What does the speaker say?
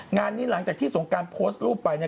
งานนี้หลังจากที่สงการโพสต์รูปไปเนี่ย